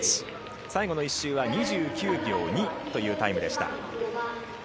最後の１周は２９秒２というタイムでした。